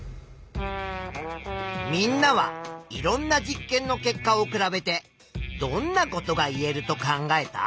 みんなはいろんな実験の結果を比べてどんなことが言えると考えた？